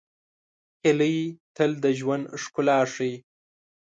هیلۍ تل د ژوند ښکلا ښيي